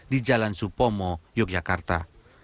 di jalan supomo yogyakarta